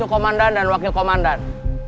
komandan dan wakil komandan